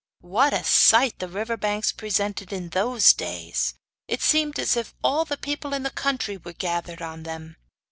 What a sight the river banks presented in those days! It seemed as if all the people in the country were gathered on them.